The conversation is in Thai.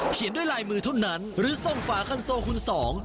เขียนด้วยลายมือเท่านั้นหรือส่งฝาคันโซคุณสอง